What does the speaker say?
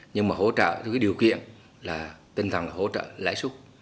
nhưng mà hỗ trợ điều kiện là tinh thần hỗ trợ lãi súc